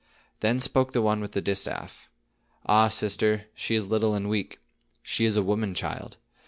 Then spoke the one with the distaff: "Ah, sister, she is little and weak. She is a woman child.